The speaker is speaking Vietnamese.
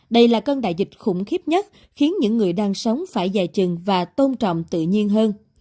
đây là cơn đại dịch khủng khiếp nhất khiến những người đang sống phải dài chừng và tôn trọng tự nhiên hơn